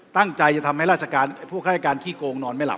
ตั้งใจจะทำให้ราชการพวกราชการขี้โกงนอนไม่หลับ